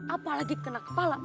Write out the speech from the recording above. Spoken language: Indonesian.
apalagi kena kepala